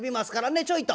ねえちょいと。